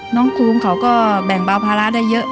น้องภูมิเขาก็แบ่งเบาภาระได้เยอะ